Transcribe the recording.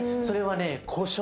それはね